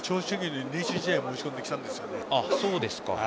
銚子商業に練習試合を申し込んできたんですよね。